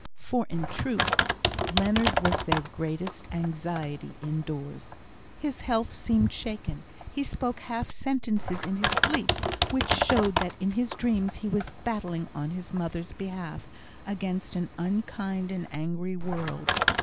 For in truth, Leonard was their greatest anxiety indoors. His health seemed shaken, he spoke half sentences in his sleep, which showed that in his dreams he was battling on his mother's behalf against an unkind and angry world.